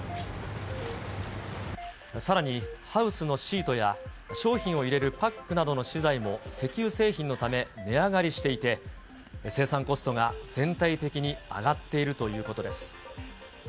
さらにハウスのシートや商品を入れるパックなどの資材も石油製品のため、値上がりしていて、生産コストが全体的に上がっているということです。